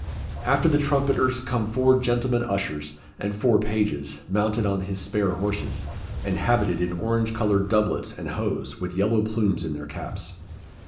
After the trumpeters come four gentlemen ushers, and four pages, mounted on his spare horses, and habited in orange coloured doublets and hose, with yellow plumes in their caps.